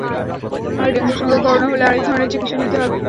আর ডেঙ্গুর সঙ্গে করোনা হলে আরেক ধরনের চিকিৎসা নিতে হবে।